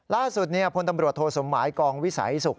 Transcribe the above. ล่าสุดพลตำรวจโทสมหมายกองวิสัยสุข